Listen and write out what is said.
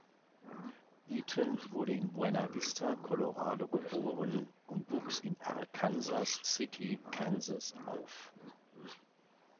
Eaton wurde in Buena Vista (Colorado) geboren und wuchs in Arkansas City (Kansas) auf.